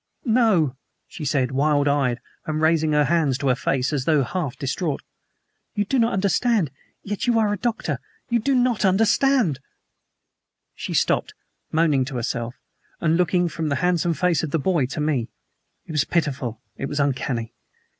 "No!" she said, wild eyed, and raising her hands to her face as though half distraught. "You do not understand yet you are a doctor. You do not understand " She stopped, moaning to herself and looking from the handsome face of the boy to me. It was pitiful; it was uncanny.